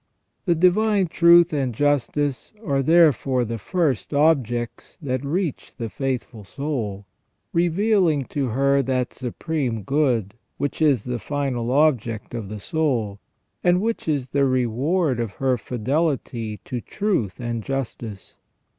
The divine truth and justice are there fore the first objects that reach the faithful soul, revealing to her that Supreme Good which is the final object of the soul, and which is the reward of her fidelity to truth and justice.